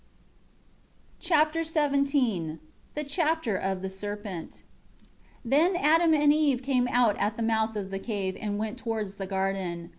Chapter XVII The Chapter of the Serpent. 1 The Adam and Eve came out at the mouth of the cave, and went towards the garden.